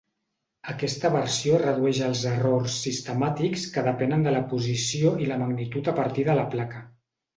Aquesta versió redueix els errors sistemàtics que depenen de la posició i la magnitud a partir de la placa.